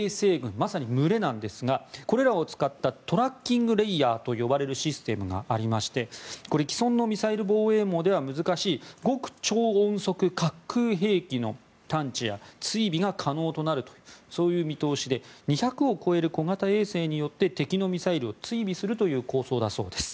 まさに群れなんですがこれらを使ったトラッキング・レイヤーと呼ばれるシステムがありましてこれは既存のミサイル防衛網では難しい極超音速滑空兵器の探知や追尾が可能となるというそういう見通しで２００を超える小型衛星によって敵のミサイルを追尾するという構想だそうです。